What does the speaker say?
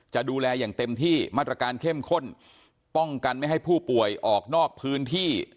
จะดูแลอย่างเต็มที่มาตรการเข้มข้นป้องกันไม่ให้ผู้ป่วยออกนอกพื้นที่